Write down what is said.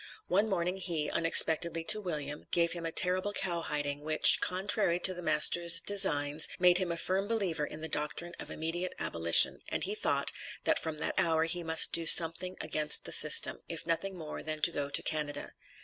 One morning he, unexpectedly to William, gave him a terrible cowhiding, which, contrary to the master's designs, made him a firm believer in the doctrine of immediate abolition, and he thought, that from that hour he must do something against the system if nothing more than to go to Canada.